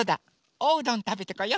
おうどんたべてこよ！